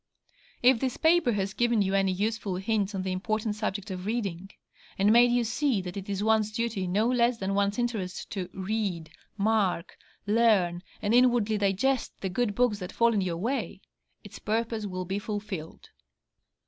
If this paper has given you any useful hints on the important subject of reading, and made you see that it is one's duty no less than one's interest to 'read, mark, learn, and inwardly digest' the good books that fall in your way, its purpose will be fulfilled.